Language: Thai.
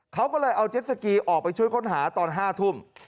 เขาก็เลยเอาเจ็ดสกีออกไปช่วยค้นหาตอน๕ทุ่ม